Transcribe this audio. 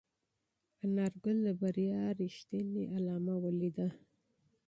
انارګل د بریا رښتینې نښه ولیده.